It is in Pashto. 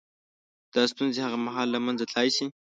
• دا ستونزې هغه مهال له منځه تلای شي.